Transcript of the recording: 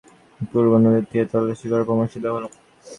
পূর্ব নদীর তীরে তল্লাশি করার পরামর্শ দেওয়া হলো।